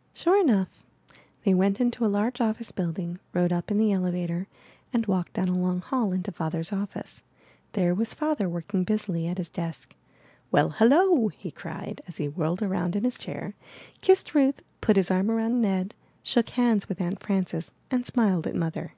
'' Sure enough. They went into a large office build ing, rode up in the elevator, and walked down a long hall into Father's office. There was Father working busily at his desk. 'Well, hello!" he cried as he whirled round in his chair, kissed Ruth, put his arm around Ned, shook hands with Aunt Frances, and smiled at Mother.